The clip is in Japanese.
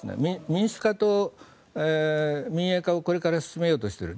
民主化と民営化をこれから進めようとしている。